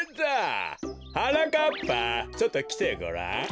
はなかっぱちょっときてごらん。